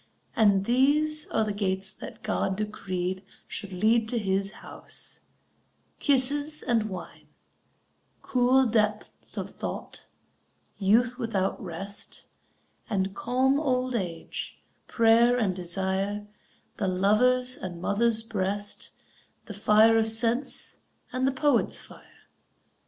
And these are the gates that God decreed Should lead to his house: kisses and wine, Cool depths of thought, youth without rest, And calm old age, prayer and desire, The lover's and mother's breast, The fire of sense and the poet's fire.